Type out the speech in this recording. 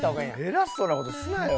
偉そうな事すなよ！